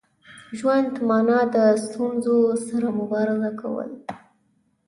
ژوند مانا د ستونزو سره مبارزه کول.